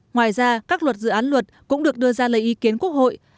ngoài ra các luật dự án luật cũng được đưa ra lời ý kiến quốc hội